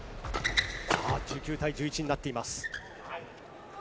１９対１１になっています。